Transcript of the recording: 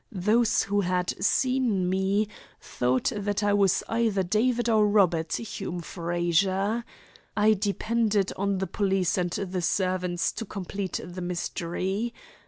Those who had seen me thought that I was either David or Robert Hume Frazer. I depended on the police and the servants to complete the mystery.